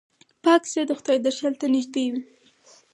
پاک زړه د خدای درشل ته نږدې وي.